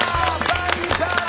「バリバラ」！